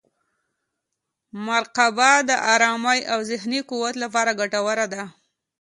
مراقبه د ارامۍ او ذهني قوت لپاره ګټوره ده.